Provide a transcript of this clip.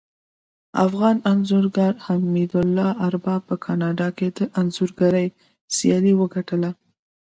افغان انځورګر حمدالله ارباب په کاناډا کې د انځورګرۍ سیالي وګټله